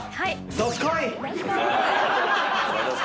どすこい！